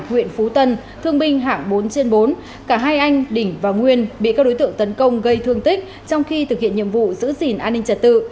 huyện phú tân thương binh hạng bốn trên bốn cả hai anh đỉnh và nguyên bị các đối tượng tấn công gây thương tích trong khi thực hiện nhiệm vụ giữ gìn an ninh trật tự